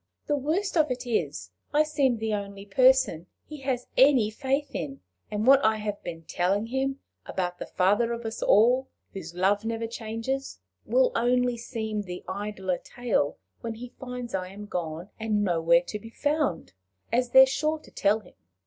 The worst of it is, I seem the only person he has any faith in, and what I have been telling him about the father of us all, whose love never changes, will seem only the idler tale, when he finds I am gone, and nowhere to be found as they're sure to tell him.